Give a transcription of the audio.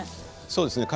そうですね。